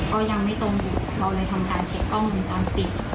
ก็ยังไม่ตรงอยู่เราเลยทำการเช็คกล้องวงจรปิด